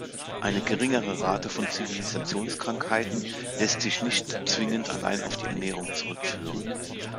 Eine geringere Rate von Zivilisationskrankheiten lässt sich nicht zwingend allein auf die Ernährung zurückführen.